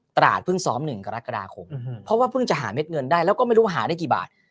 ตราดเพิ่งซ้อม๑กรกฎาคมเพราะว่าเพิ่งจะหาเม็ดเงินได้แล้วก็ไม่รู้ว่าหาได้กี่บาท